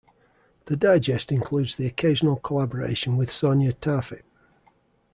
The digest includes the occasional collaboration with Sonya Taaffe.